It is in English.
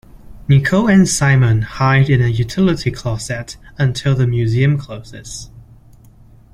Nicole and Simon hide in a utility closet until the museum closes.